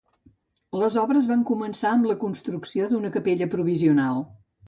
Les obres van començar amb la construcció d'una capella provisional.